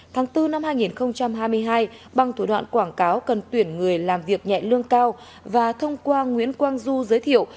tháng bốn năm hai nghìn hai mươi hai bằng thủ đoạn quảng cáo cần tuyển người làm việc nhẹ lương cao và thông qua nguyễn quang du giới thiệu